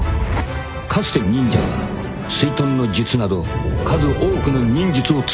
［かつて忍者は水遁の術など数多くの忍術を使っていた］